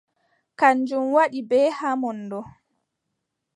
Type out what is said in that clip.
Kanjum waddi ɓe haa mon ɗo.